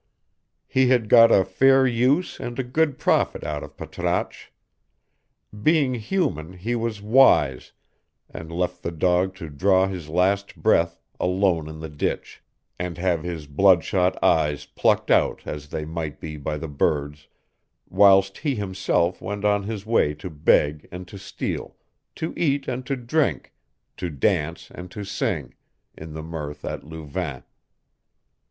He had got a fair use and a good profit out of Patrasche: being human, he was wise, and left the dog to draw his last breath alone in the ditch, and have his bloodshot eyes plucked out as they might be by the birds, whilst he himself went on his way to beg and to steal, to eat and to drink, to dance and to sing, in the mirth at Louvain.